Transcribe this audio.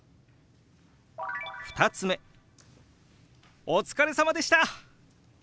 ２つ目「お疲れさまでした！」。